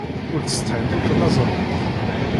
Ur ttsetḥint ur ttlazament.